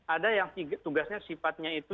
ada yang tugasnya sifatnya itu